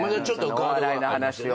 お笑いの話を。